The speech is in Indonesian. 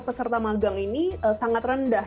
peserta magang ini sangat rendah